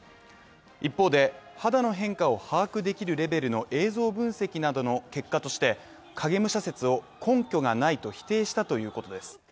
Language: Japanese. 一方で、肌の変化を把握できるレベルの映像分析などの結果として影武者説を根拠がないと否定したということです。